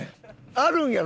あるんやろ？